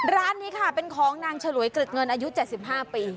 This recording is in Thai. ร้านนี้ค่ะเป็นของนางฉลวยกริดเงินอายุ๗๕ปี